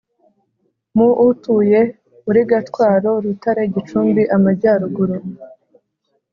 mu utuye muri Gatwaro, Rutare, Gicumbi, Amajyaruguru